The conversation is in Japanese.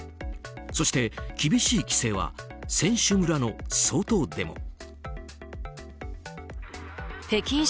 そして、厳しい規制は選手村の外でも。